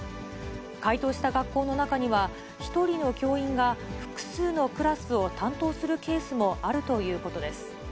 回答した学校の中には、１人の教員が複数のクラスを担当するケースもあるということです。